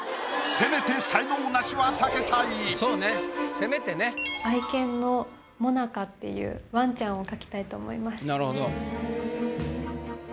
せめてっていうワンちゃんを描きたいと思います。